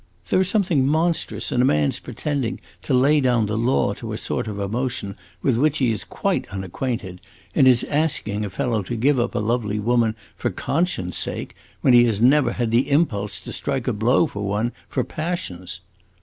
There is something monstrous in a man's pretending to lay down the law to a sort of emotion with which he is quite unacquainted in his asking a fellow to give up a lovely woman for conscience' sake, when he has never had the impulse to strike a blow for one for passion's!"